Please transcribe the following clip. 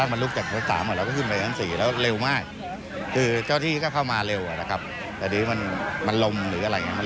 มันก็จะเป็นวัสดุเชื้อเพลิงได้ง่าย